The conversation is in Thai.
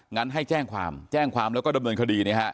งั้นให้แจ้งความแล้วก็ดำเนินคดี